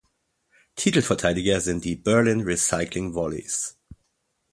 Titelverteidiger sind die Berlin Recycling Volleys.